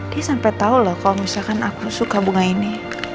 dia sampai tau loh kalau misalkan aku suka bunga ini